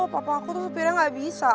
papa aku tuh supirnya gak bisa